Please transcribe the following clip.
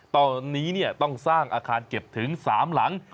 ตอนนี้ต้องสร้างอาคารเก็บถึง๓หลัง